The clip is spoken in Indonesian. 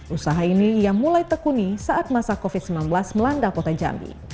usaha ini ia mulai tekuni saat masa covid sembilan belas melanda kota jambi